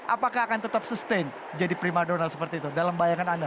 apakah akan tetap sustain jadi prima donald seperti itu dalam bayangan anda